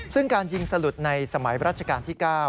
ซึ่งการยิงสลุดในสมัยรัชกาลที่๙